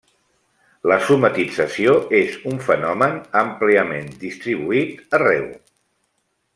La somatització és un fenomen amplament distribuït arreu.